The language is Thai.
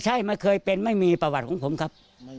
ใช่ไม่เคยเป็นไม่มีประวัติของผมครับ